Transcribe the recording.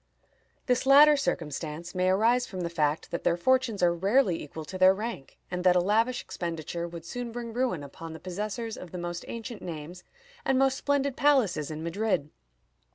This latter circumstance may arise from the fact that their fortunes are rarely equal to their rank, and that a lavish expenditure would soon bring ruin upon the possessors of the most ancient names and most splendid palaces in Madrid."